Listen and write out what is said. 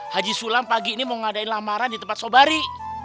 haji sulam pagi ini mau ngadain lamaran di tempat sobari